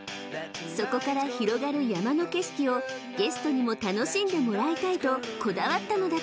［そこから広がる山の景色をゲストにも楽しんでもらいたいとこだわったのだという］